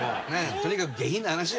とにかく下品な話よ。